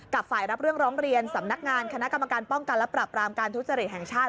ฝ่ายรับเรื่องร้องเรียนสำนักงานคณะกรรมการป้องกันและปรับรามการทุจริตแห่งชาติ